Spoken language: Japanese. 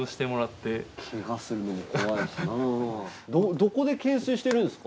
どこで懸垂してるんですか？